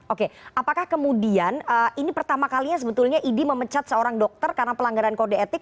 oke apakah kemudian ini pertama kalinya sebetulnya idi memecat seorang dokter karena pelanggaran kode etik